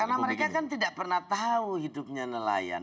karena mereka kan tidak pernah tahu hidupnya nelayan